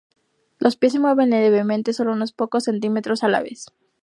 Los pies se mueven muy levemente, solo unos pocos centímetros a la vez.